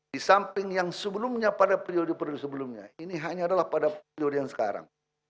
di samping yang sebelumnya pada periode periode sebelumnya ini hanya adalah pada periode yang sekarang